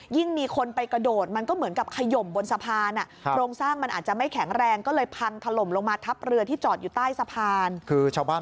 ยิ่งมีคนไปกระโดดมันก็เหมือนกับขยมบนสะพาน